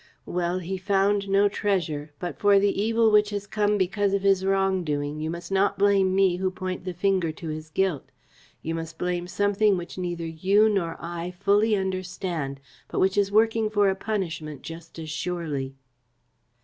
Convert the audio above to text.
Well, he found no treasure, but for the evil which has come because of his wrong doing, you must not blame me who point the finger to his guilt. You must blame something which neither you nor I fully understand, but which is working for a punishment just as surely."